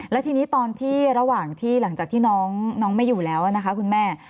แล้วทีนี้ตอนที่ระหว่างที่หลังจากที่น้องไม่อยู่แล้วนะคะคุณแม่